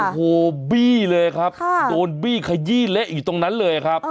โอ้โหบี้เลยครับโดนบี้ขยี้เละอยู่ตรงนั้นเลยครับ